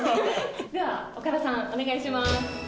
じゃあ岡田さんお願いします。